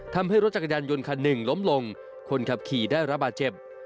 ทำให้รถจักรยานยนต์คันหนึ่งล้มลงคนขับขี่ได้ระบาดเจ็บ